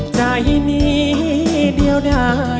ใจนี้เดียวได้มานาน